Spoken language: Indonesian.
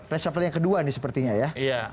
reshuffle yang kedua nih sepertinya ya